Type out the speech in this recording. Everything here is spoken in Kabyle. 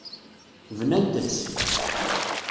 Bnant-tt.